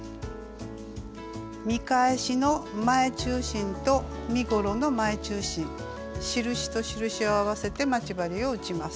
見返しの前中心と身ごろの前中心印と印を合わせて待ち針を打ちます。